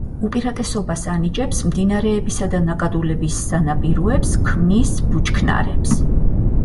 უპირატესობას ანიჭებს მდინარეებისა და ნაკადულების სანაპიროებს, ქმნის ბუჩქნარებს.